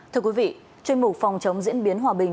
thưa quý vị chuyên mục phòng chống diễn biến hòa bình